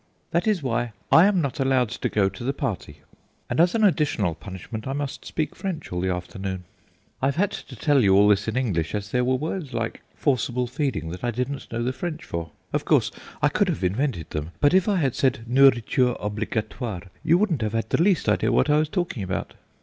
That is why I am not allowed to go to the party, and as an additional punishment I must speak French all the afternoon. I've had to tell you all this in English, as there were words like 'forcible feeding' that I didn't know the French for; of course I could have invented them, but if I had said nourriture obligatoire you wouldn't have had the least idea what I was talking about.